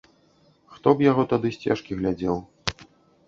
Хто б яго тады сцежкі глядзеў.